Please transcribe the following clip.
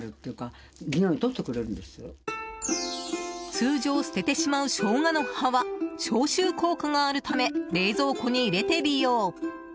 通常捨ててしまうショウガの葉は消臭効果があるため冷蔵庫に入れて利用。